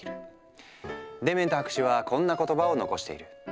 デメント博士はこんな言葉を残している。